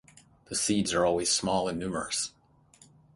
The seeds are always small and numerous.